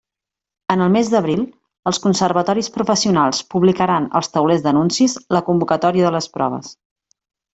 En el mes d'abril, els conservatoris professionals publicaran als taulers d'anuncis la convocatòria de les proves.